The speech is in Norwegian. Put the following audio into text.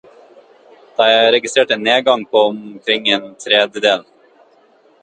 Det er registrert en nedgang på omkring en tredel.